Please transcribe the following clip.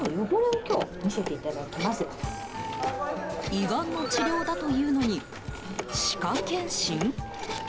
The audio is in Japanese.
胃がんの治療だというのに歯科検診？